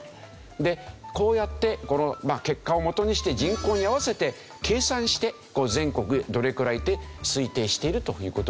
でこうやってこの結果をもとにして人口に合わせて計算して全国どれくらいって推定しているという事なんですね。